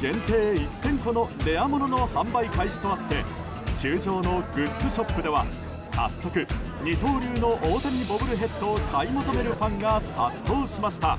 限定１０００個のレアものの販売開始とあって球場のグッズショップでは早速二刀流の大谷ボブルヘッドを買い求めるファンが殺到しました。